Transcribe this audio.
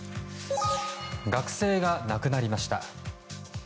学生が亡くなりました。